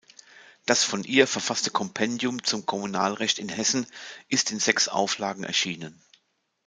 Das von ihr verfasste Kompendium zum Kommunalrecht in Hessen ist in sechs Auflagen erschienen.